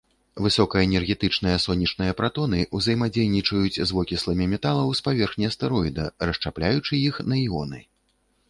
Высокаэнергетычныя сонечныя пратоны ўзаемадзейнічаюць з вокісламі металаў з паверхні астэроіда, расшчапляючы іх на іоны.